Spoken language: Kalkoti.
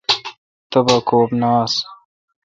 تبہ کوب نہ آس۔